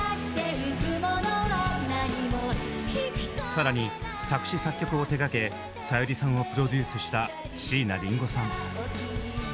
更に作詞作曲を手がけさゆりさんをプロデュースした椎名林檎さん。